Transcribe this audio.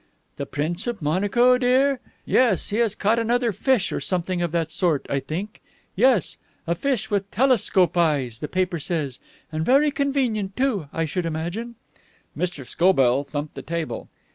"The Prince of Monaco, dear? Yes. He has caught another fish or something of that sort, I think. Yes. A fish with 'telescope eyes,' the paper says. And very convenient too, I should imagine." Mr. Scobell thumped the table.